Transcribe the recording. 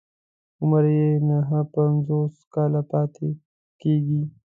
عمر يې نهه پنځوس کاله پاتې کېږي.